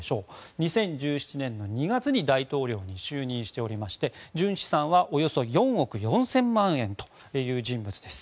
２０１７年の２月に大統領に就任しておりまして純資産は、およそ４億４０００万円という人物です。